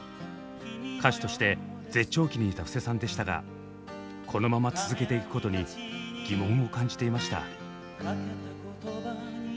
歌手として絶頂期にいた布施さんでしたがこのまま続けていくことに疑問を感じていました。